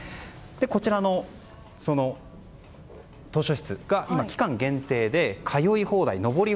こちらの図書室が期間限定で通い放題、登り